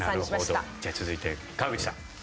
じゃあ続いて川口さん。